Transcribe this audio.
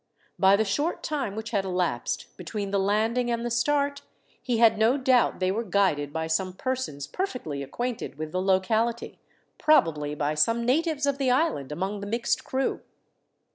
By the short time which had elapsed between the landing and the start, he had no doubt they were guided by some persons perfectly acquainted with the locality, probably by some natives of the island among the mixed crew.